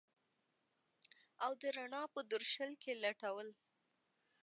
او د رڼا په درشل کي لټول